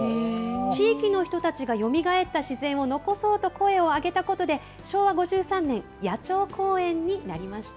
地域の人たちがよみがえった自然を残そうと声を上げたことで、昭和５３年、野鳥公園になりました。